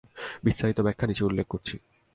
বিস্তারিত ব্যাখ্যা নিচে উল্লেখ করছি।